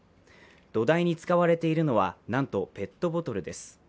土台に使われているのは、なんとペットボトルです。